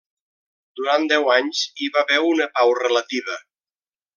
Durant deu anys hi va haver una pau relativa.